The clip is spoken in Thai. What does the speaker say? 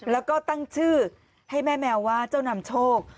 แล้วก็ตั้งชื่อให้แม่แมวว่าเจ้านำโชค